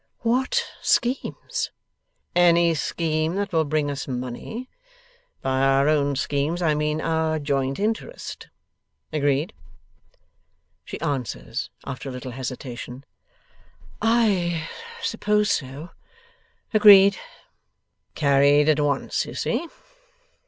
'What schemes?' 'Any scheme that will bring us money. By our own schemes, I mean our joint interest. Agreed?' She answers, after a little hesitation, 'I suppose so. Agreed.' 'Carried at once, you see!